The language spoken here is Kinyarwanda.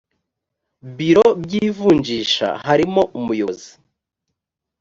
biro by ivunjisha harimo umuyobozi